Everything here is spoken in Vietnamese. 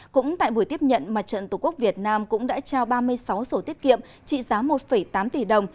cũng tại buổi tiếp nhận mặt trận tổ quốc việt nam cũng đã trao ba mươi sáu sổ tiết kiệm trị giá một tám tỷ đồng